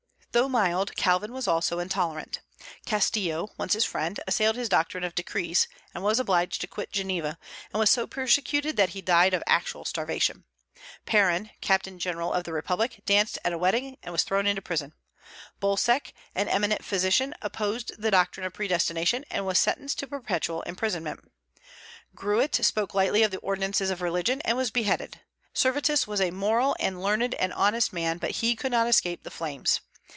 Though mild, Calvin was also intolerant. Castillo, once his friend, assailed his doctrine of Decrees, and was obliged to quit Geneva, and was so persecuted that he died of actual starvation; Perrin, captain general of the republic, danced at a wedding, and was thrown into prison; Bolsec, an eminent physician, opposed the doctrine of Predestination, and was sentenced to perpetual imprisonment; Gruet spoke lightly of the ordinances of religion, and was beheaded; Servetus was a moral and learned and honest man, but could not escape the flames.